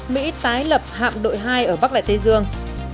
mỹ tái lập hạm đội hai ở bắc đại tây dương